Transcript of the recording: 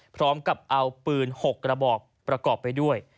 พร้อมกับเอาปืน๖กระบอกประกอบไปด้วย